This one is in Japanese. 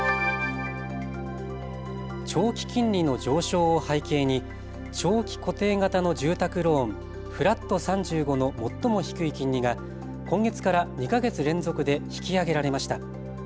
長期金利の上昇を背景に長期固定型の住宅ローンフラット３５の最も低い金利が今月から２か月連続で引き上げられました。